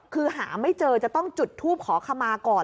คือหาไม่เจอจะต้องจุดทูปขอขมาก่อน